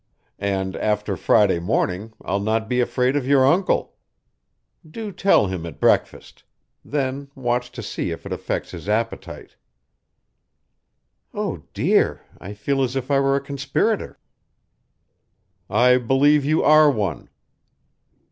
And after Friday morning I'll not be afraid of your uncle. Do tell him at breakfast. Then watch to see if it affects his appetite." "Oh, dear! I feel as if I were a conspirator." "I believe you are one.